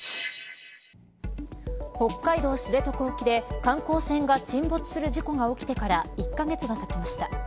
北海道知床沖で観光船が沈没する事故が起きてから１カ月がたちました。